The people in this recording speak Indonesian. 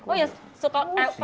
oh ya suka pernah